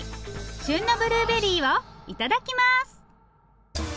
旬のブルーベリーをいただきます！